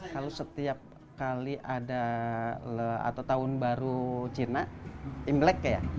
kalau setiap kali ada atau tahun baru cina imlek ya